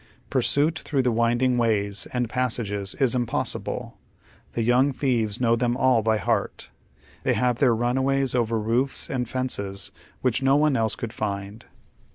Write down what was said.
Pursuit through the winding ways and passages is impossible. The young thieves know them all by heart. They have their runways over roofs and fences which no one else could find.